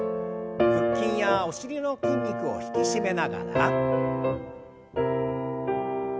腹筋やお尻の筋肉を引き締めながら。